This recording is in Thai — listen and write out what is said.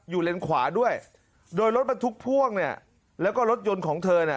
เลนขวาด้วยโดยรถบรรทุกพ่วงเนี่ยแล้วก็รถยนต์ของเธอเนี่ย